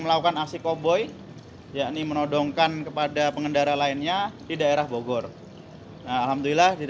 melakukan aksi koboi yakni menodongkan kepada pengendara lainnya di daerah bogor alhamdulillah kita